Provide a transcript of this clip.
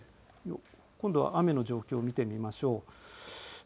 今度は雨の状況を見てみましょう。